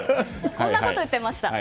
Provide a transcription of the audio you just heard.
こんなこと言ってました。